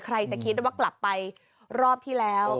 ใครจะคิดว่ากลับไปรอบที่แล้ว